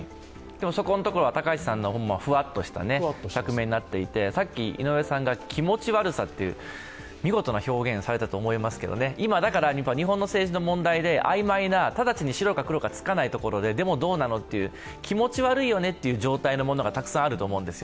そこのところは高市さんのふわっとした側面になっていて、さっき井上さんが気持ち悪さって、見事な表現をされたと思いますけど、今、だから日本の政治の問題で曖昧な、直ちに白か黒かつかないところで、でもどうなのという、気持ち悪いよねっていう状態のものがたくさんあると思うんです。